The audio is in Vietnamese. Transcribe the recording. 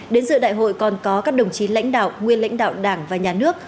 đến dự đại hội còn có các đồng chí lãnh đạo nguyên lãnh đạo đảng và nhà nước